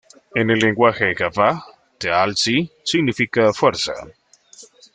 En el lenguaje jaffa, 'Teal'c' significa Fuerza.